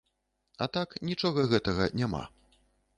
А так нічога гэтага няма.